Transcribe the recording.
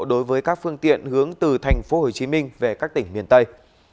đối với các phương tiện hướng từ thành phố hồ chí minh về các tỉnh miền tây